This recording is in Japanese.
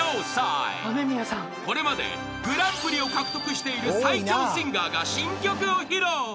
［これまでグランプリを獲得している最強シンガーが新曲を披露］